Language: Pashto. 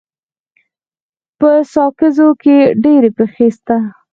په ساکزو کي ډيري پښي سته.